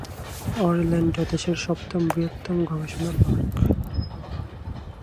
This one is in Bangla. অরল্যান্ডো দেশের সপ্তম বৃহত্তম গবেষণা পার্ক।